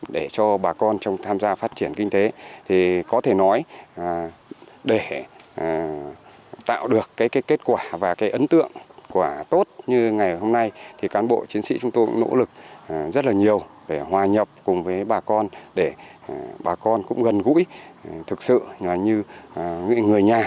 để cho bà con trong tham gia phát triển kinh tế thì có thể nói để tạo được cái kết quả và cái ấn tượng quả tốt như ngày hôm nay thì cán bộ chiến sĩ chúng tôi cũng nỗ lực rất là nhiều để hòa nhập cùng với bà con để bà con cũng gần gũi thực sự như người nhà